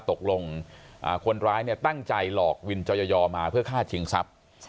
ตกลงคนร้ายตั้งใจหลอกวินจอยอมาเพื่อฆ่าชิงทรัพย์